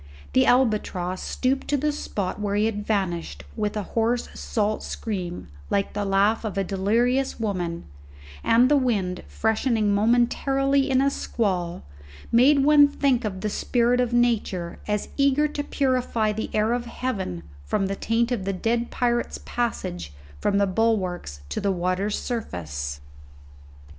The albatross stooped to the spot where he had vanished with a hoarse salt scream like the laugh of a delirious woman, and the wind, freshening momentarily in a squall, made one think of the spirit of Nature as eager to purify the air of heaven from the taint of the dead pirate's passage from the bulwarks to the water's surface.